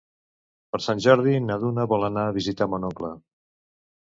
Per Sant Jordi na Duna vol anar a visitar mon oncle.